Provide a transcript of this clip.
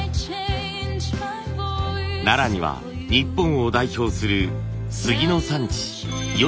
奈良には日本を代表する杉の産地吉野があります。